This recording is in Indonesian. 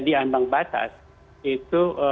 di ambang batas itu